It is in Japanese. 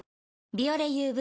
「ビオレＵＶ」